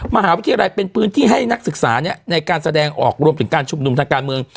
มหาวิทยาลัยเป็นพื้นที่ให้นักศึกษาในการแสดงออกรวมถึงการชุมนุมทางการเมือง